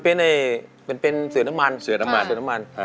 ก็มันเป็นเสือน้ำมัน